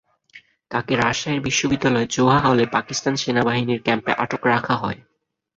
তাঁকে রাজশাহী বিশ্ববিদ্যালয়ের জোহা হলে পাকিস্তান সেনাবাহিনীর ক্যাম্পে আটক রাখা হয়।